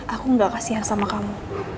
aku gak kasihan sama kamu